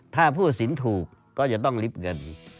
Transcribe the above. ถ้าผู้สินถูกก็จะต้องลิฟต์เงิน